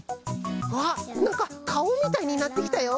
あっなんかかおみたいになってきたよ！